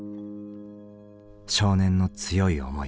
少年の強い思い。